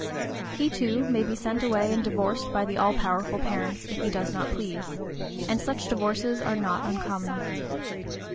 He, too, may be sent away and divorced by the all powerful parents, if he does not please; and such divorces are not uncommon.